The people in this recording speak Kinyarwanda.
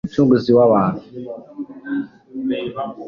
mucunguzi w abantu